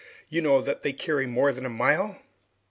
You know that they carry more than a mile!"